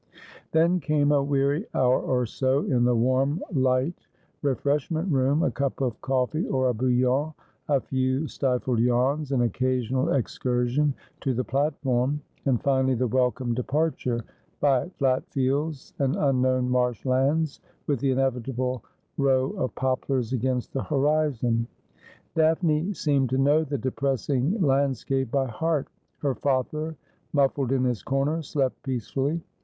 Then came a weary hour or so in the warm light refresh ment room, a cup of coffee, or a bouillon, a few stifled yawns, an occasional excursion to the platform, and finally the welcome departure, by flat fields and unknown marsh lands, with the inevitable row of poplars against the horizon. Daphne seemed 272 Asphodel. to know the depressing landscape by heart. Her father, muffled in his corner, slept peacefully.